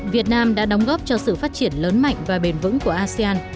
việt nam đã đóng góp cho sự phát triển lớn mạnh và bền vững của asean